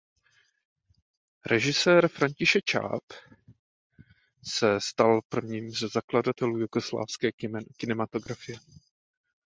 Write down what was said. Režisér František Čáp se stal jedním ze zakladatelů jugoslávské kinematografie.